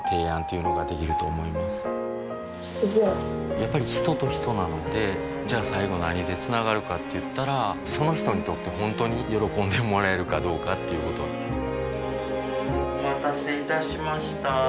やっぱり人と人なのでじゃあ最後何でつながるかって言ったらその人にとって本当に喜んでもらえるかどうかっていうことお待たせいたしました。